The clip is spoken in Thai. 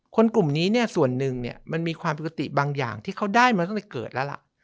กลุ่มนี้เนี่ยส่วนหนึ่งเนี่ยมันมีความผิดปกติบางอย่างที่เขาได้มาตั้งแต่เกิดแล้วล่ะ